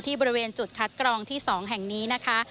บริเวณจุดคัดกรองที่๒แห่งนี้นะคะ